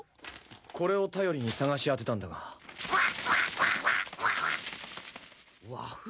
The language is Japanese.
これを頼りに探し当てたんだがグァ！